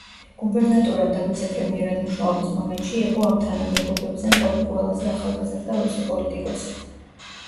გუბერნატორად და ვიცე-პრემიერად მუშაობის მომენტში იყო ამ თანამდებობებზე მყოფი ყველაზე ახალგაზრდა რუსი პოლიტიკოსი.